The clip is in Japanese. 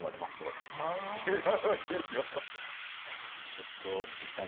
ちょっと椎木さん